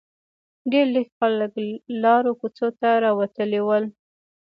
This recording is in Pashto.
ډېر لږ خلک لارو کوڅو ته راوتلي ول.